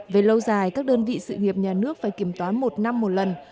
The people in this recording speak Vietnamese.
về lâu dài các đơn vị sự nghiệp nhà nước phải kiểm toán một năm một lần